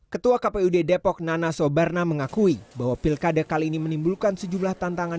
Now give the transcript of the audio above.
ketua kpud depok nana sobarna mengakui bahwa pilkada kali ini menimbulkan sejumlah tantangan